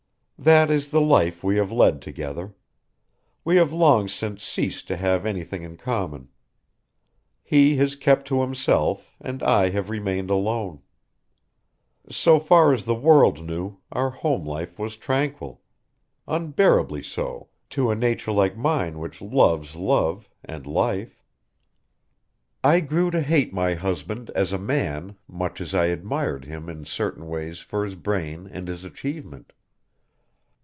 "That is the life we have led together. We have long since ceased to have anything in common. He has kept to himself and I have remained alone. So far as the world knew our home life was tranquil. Unbearably so to a nature like mine which loves love and life. "I grew to hate my husband as a man much as I admired him in certain ways for his brain and his achievement.